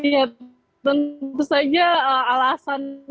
ya tentu saja alasan